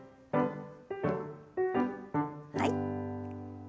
はい。